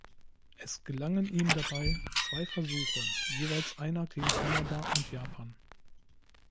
Es gelangen ihm dabei zwei Versuche, jeweils einer gegen Kanada und Japan.